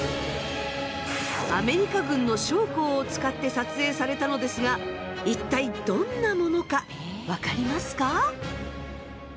アメリカ軍の将校を使って撮影されたのですが一体どんなものか分かりますか。